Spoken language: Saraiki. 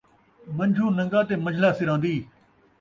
من٘جھوں نن٘گا تے من٘جھلا سران٘دی